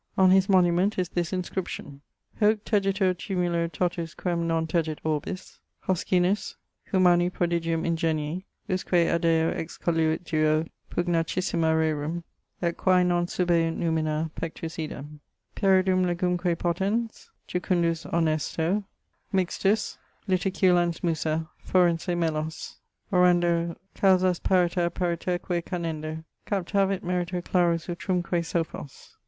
On his monument is this inscription: Hoc tegitur tumulo totus quem non tegit orbis, Hoskinus, humani prodigium ingenii, Usque adeo excoluit duo pugnacissima rerum Et quae non subeunt numina pectus idem, Pieridum Legumque potens, jucundus honesto Mixtus, Liticulans Musa, forense melos, Orando causas pariter pariterque canendo, Captavit merito clarus utrumque sophos.